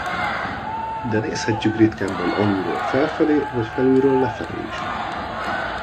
De nézhetjük ritkábban alulról felfelé vagy felülről lefelé is.